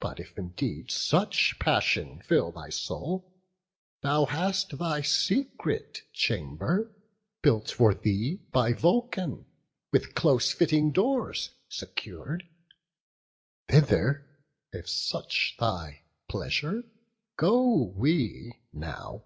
But if indeed such passion fill thy soul, Thou hast thy secret chamber, built for thee By Vulcan, with close fitting doors secur'd; Thither, if such thy pleasure, go we now."